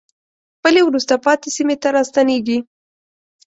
خپلې وروسته پاتې سیمې ته راستنېږي.